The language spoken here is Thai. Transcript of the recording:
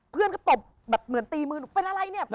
เพื่อนก็ตบแบบเหมือนตีมือหนูเป็นอะไรเนี่ย